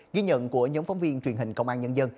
ghi nhận của nhóm phóng viên truyền hình công an nhân dân